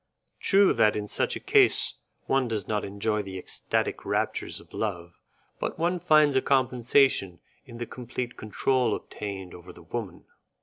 True that in such a case one does not enjoy the ecstatic raptures of love, but one finds a compensation in the complete control obtained over the woman.